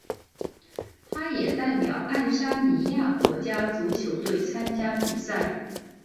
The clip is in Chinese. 他也代表爱沙尼亚国家足球队参加比赛。